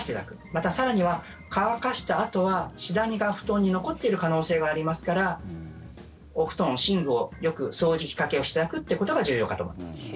また更には乾かしたあとは死ダニが布団に残っている可能性がありますからお布団、寝具をよく掃除機かけをしていただくということが重要かと思います。